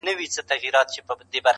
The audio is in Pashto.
یار نښانه د کندهار راوړې و یې ګورئ,